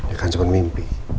ya kan cuman mimpi